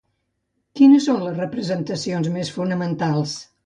Quines són les representacions més fonamentals?